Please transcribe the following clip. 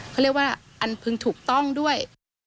เขาเรียกว่าอันพึงถูกต้องด้วย